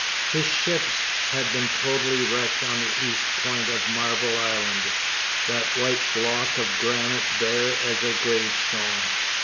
His ships had been totally wrecked on the east point of Marble Island, that white block of granite bare as a gravestone.